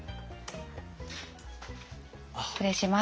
失礼します。